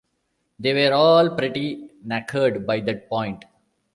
They were all pretty knackered by that point.